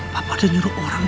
papa udah nyuruh orang buat